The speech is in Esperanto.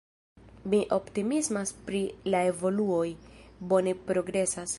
Mi optimismas pri la evoluoj, bone progresas.